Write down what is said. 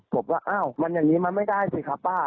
บอกว่าอ้าวมันอย่างนี้มันไม่ได้สิครับป้า